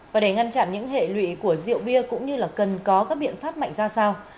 và để ngăn chặn những hệ lụy của rượu bia cũng như là cần có các biện pháp mạnh ra sao